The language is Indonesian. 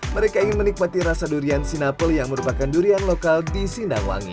mereka ingin menikmati rasa durian sinapel yang merupakan durian lokal di sindangwangi